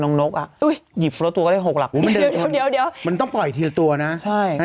น้องจะข้าบกันดีกว่า